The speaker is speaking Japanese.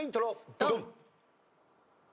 ドン！